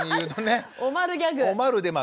おまるギャグ。